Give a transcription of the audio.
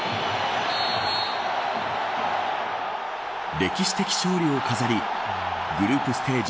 歴史的勝利を飾りグループステージ